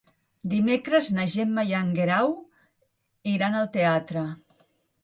Dimecres na Gemma i en Guerau iran al teatre.